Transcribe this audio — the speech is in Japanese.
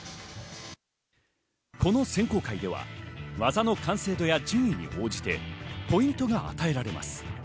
この選考会では技の完成度や順位に応じてポイントが与えられます。